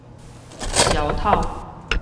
消敨